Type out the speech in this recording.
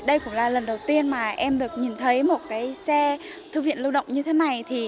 đây cũng là lần đầu tiên mà em được nhìn thấy một cái xe thư viện lưu động như thế này